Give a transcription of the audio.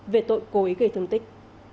về tội cô ấy gây thương tích